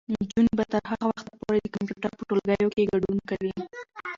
نجونې به تر هغه وخته پورې د کمپیوټر په ټولګیو کې ګډون کوي.